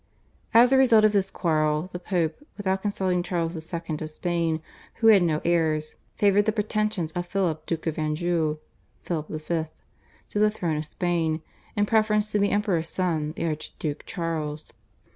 As a result of this quarrel the Pope, without consulting Charles II. of Spain who had no heirs, favoured the pretensions of Philip Duke of Anjou (Philip V.) to the throne of Spain in preference to the Emperor's son the Archduke Charles.